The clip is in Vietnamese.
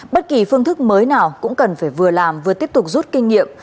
bất kỳ phương thức mới nào cũng cần phải vừa làm vừa tiếp tục rút kinh nghiệm